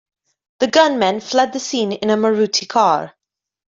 The gunmen fled the scene in a Maruti car.